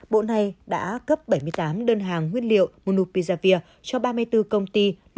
bộ này đã cấp bảy mươi tám đơn hàng nguyên liệu monopizavir cho ba mươi bốn công ty